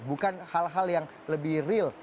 bukan hal hal yang lebih real